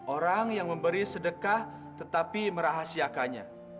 orang yang memberi sedekah tetapi merahasiakannya